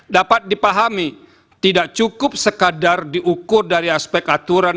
dapat dipahami tidak cukup sekadar diukur dari aspek aturan